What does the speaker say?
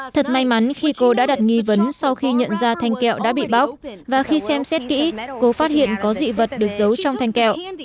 thật may mắn khi cô đã đặt nghi vấn sau khi nhận ra thanh kẹo đã bị bóc và khi xem xét kỹ cô phát hiện có dị vật được giấu trong thanh kẹo